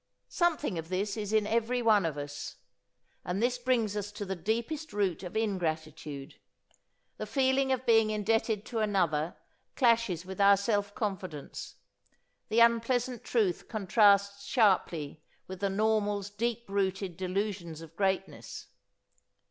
Something of this is in every one of us. And this brings us to the deepest root of ingratitude. The feeling of being indebted to another clashes with our self confidence; the unpleasant truth contrasts sharply with the normal's deep rooted delusions of greatness.